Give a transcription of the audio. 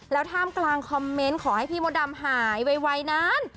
แล้วท่ามกลางคอมเมนต์ขอให้พี่มดดำหายไวนั้น